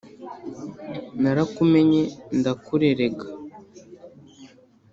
narakumenye ndakurerega